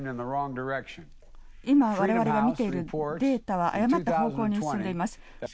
今、われわれが見ているデータは誤った方向に進んでいます。